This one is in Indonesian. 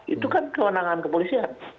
itu kan kewenangan kepolisian